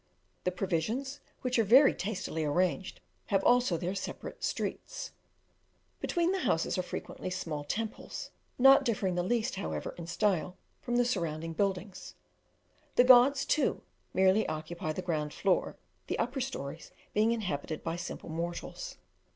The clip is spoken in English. The provisions, which are very tastily arranged, have also their separate streets. Between the houses are frequently small temples, not differing the least, however, in style from the surrounding buildings: the gods, too, merely occupy the ground floor, the upper stories being inhabited by simple mortals.